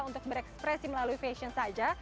untuk berekspresi melalui fashion saja